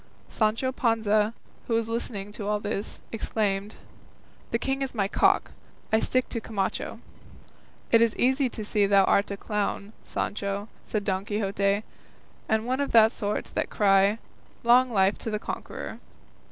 Sancho Panza, who was listening to all this, exclaimed, "The king is my cock; I stick to Camacho." "It is easy to see thou art a clown, Sancho," said Don Quixote, "and one of that sort that cry 'Long life to the conqueror.